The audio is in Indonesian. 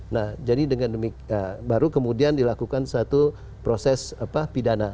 nah jadi dengan demikian baru kemudian dilakukan suatu proses pidana